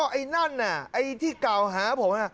ไอ้นั่นไอ้ที่เก่าหาผม